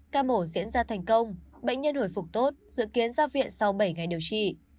ca mổ diễn ra thành công bệnh nhân hồi phục tốt dự kiến ra viện sau bảy ngày điều trị